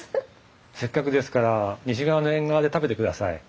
せっかくですから西側の縁側で食べてください。